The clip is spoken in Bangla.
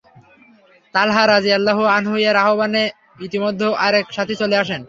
তালহা রাযিয়াল্লাহু আনহু-এর আহবানে ইতোমধ্যে আরেক সাথি চলে আসেন।